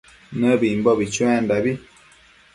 Nëbimbo chuendabi